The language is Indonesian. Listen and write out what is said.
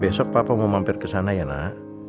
besok papa mau mampir kesana ya nak